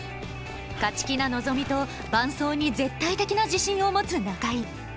勝気な、のぞみと伴走に絶対的な自信を持つ中居。